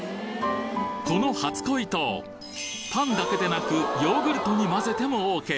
この初恋糖パンだけでなくヨーグルトに混ぜてもＯＫ！